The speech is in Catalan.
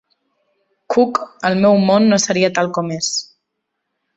Cook el meu món no seria tal com és.